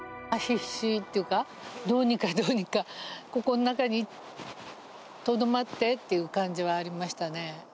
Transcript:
どうにかどうにかここの中にとどまってっていう感じはありましたね。